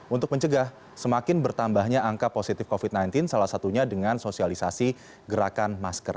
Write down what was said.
untuk mencegah semakin bertambahnya angka positif covid sembilan belas salah satunya dengan sosialisasi gerakan masker